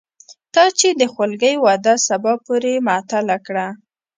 تا چې د خولګۍ وعده سبا پورې معطله کړه